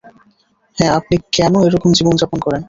হ্যাঁ আপনি কেন এরকম জীবন-যাপন করেন?